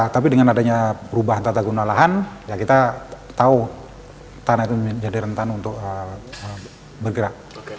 tapi dengan adanya perubahan tata guna lahan ya kita tahu tanah itu menjadi rentan untuk bergerak